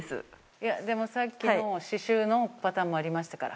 いやでもさっきの刺繍のパターンもありましたから。